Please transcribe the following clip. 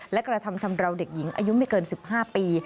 และกระทำชำราวเด็กหญิงอายุไม่เกิน๑๕ปี